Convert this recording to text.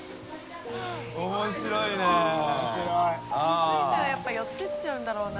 気付いたらやっぱ寄っていっちゃうんだろうな。